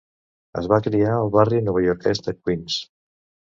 Es va criar al barri novaiorquès de Queens.